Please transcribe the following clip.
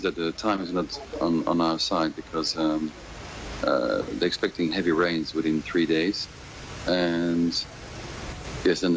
และสถานการณ์ก็จะกลับกลับไปและกลับไปได้